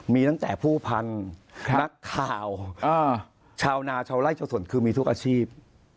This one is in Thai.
มีตั้งแต่ผู้พันธุ์นักข่าวชาวนาชาวไล่ชาวสนคือมีทุกอาชีพ